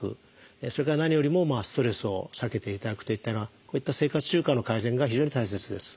それから何よりもストレスを避けていただくといったようなこういった生活習慣の改善が非常に大切です。